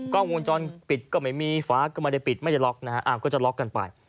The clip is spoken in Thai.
กล้องวงจรปิดก็ไม่มีฝาก็ไม่ได้ปิดไม่ได้ล็อกนะฮะก็จะล็อกกันไป